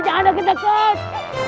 jangan nak keteket